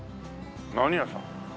何屋さん？